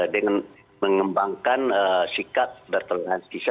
dengan mengembangkan sikap bertelan kisah